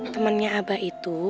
temennya abah itu